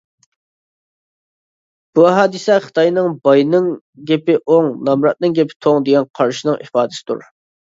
بۇ ھادىسە خىتاينىڭ باينىڭ گېپى ئوڭ نامراتنىڭ گېپى توڭ دېگەن قارىشىنىڭ ئىپادىسىدۇر.